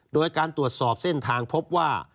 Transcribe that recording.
โดยการตรวจสอบเส้นทางพบว่า